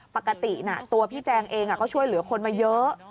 ปกติตัวพี่แจงเองก็ช่วยเหลือคนมาเยอะ